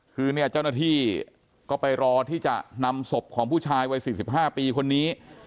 คือเนี่ยเจ้าหน้าที่ก็ไปรอที่จะนำศพของผู้ชายวัย๔๕ปีคนนี้